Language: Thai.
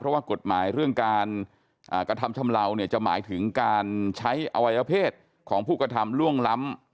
เพราะว่ากฎหมายเรื่องการกระทำชำเลาเนี่ยจะหมายถึงการใช้อวัยวเพศของผู้กระทำล่วงล้ำ